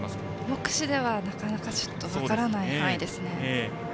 目視ではなかなか分からない範囲ですね。